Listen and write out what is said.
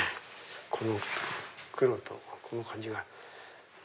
この黒とこの感じが。